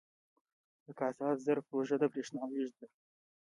د کاسا زر پروژه د بریښنا لیږد ده